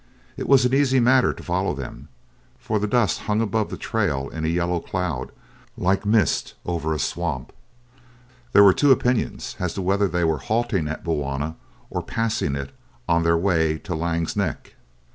It was an easy matter to follow them, for the dust hung above the trail in a yellow cloud, like mist over a swamp. There were two opinions as to whether they were halting at Bulwana or passing it, on their way to Laing's Neck.